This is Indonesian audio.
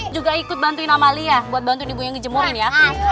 juga ikut bantuin amalia buat bantu di buang bunyi jemur ya